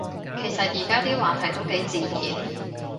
其實而家啲話題都幾自然